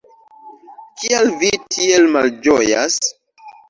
Kial vi tiel malĝojas?